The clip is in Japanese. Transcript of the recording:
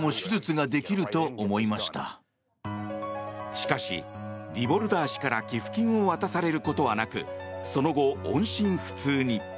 しかし、ディボルダー氏から寄付金を渡されることはなくその後、音信不通に。